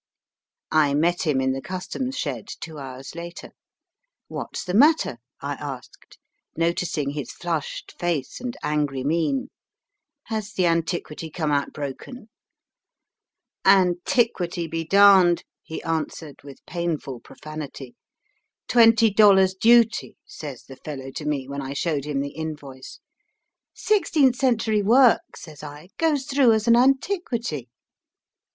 I met him in the Customs shed two hours later. "What's the matter?" I asked, noticing his flushed faced and angry mien; *^ has the antiquity come out broken ?"" Antiquity be darned," he answered, with painful profanity. "* Twenty dollars duty,' says the fellow to me when I showed him the invoice. * Sixteenth century work,' says I, * goes through as an antiquity.'